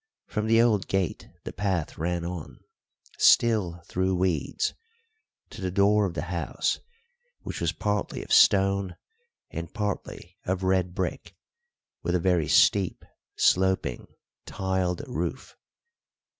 From the old gate the path ran on, still through weeds, to the door of the house, which was partly of stone and partly of red brick, with a very steep, sloping, tiled roof.